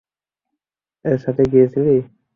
এর সাথে গিয়েছিলি?